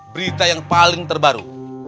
berita yang paling terbaru